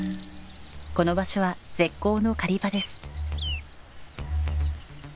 この場所は絶好の狩り場です。